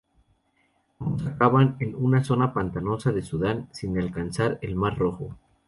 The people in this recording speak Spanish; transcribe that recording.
Ambos acaban en una zona pantanosa de Sudán sin alcanzar el mar Rojo.